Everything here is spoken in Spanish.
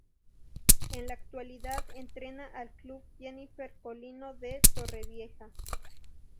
En la actualidad entrena al Club Jennifer Colino de Torrevieja.